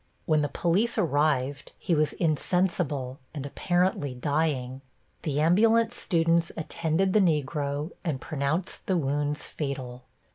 When the police arrived he was insensible and apparently dying. The ambulance students attended the Negro and pronounced the wounds fatal.